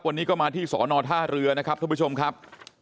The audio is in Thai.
วันนี้ก็มาที่สอนอท่าเรือนะครับท่านผู้ชมครับ